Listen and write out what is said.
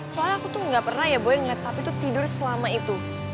soalnya aku tuh ga pernah ya boy ngeliat papi tuh tidur selama itu